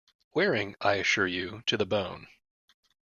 Wearing, I assure you, to the bone!